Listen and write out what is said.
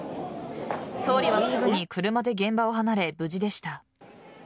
総理はすぐに車で現場を離れ無事でした。